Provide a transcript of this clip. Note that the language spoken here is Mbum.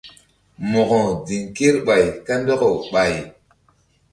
Mo̧ko ziŋ kerɓay kandɔkaw ɓay.